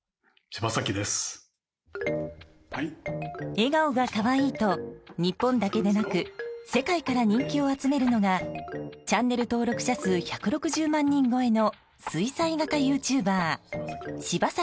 笑顔が可愛いと日本だけでなく世界から人気を集めるのがチャンネル登録者数１６０万人超えの水彩画家ユーチューバー柴崎